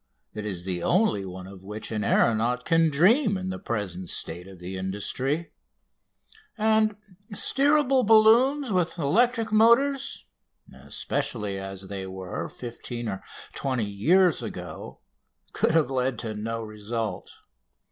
It is the only one of which an aeronaut can dream in the present state of the industry; and steerable balloons with electric motors, especially as they were fifteen or twenty years ago, could have led to no result.